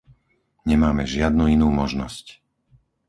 Nemáme žiadnu inú možnosť.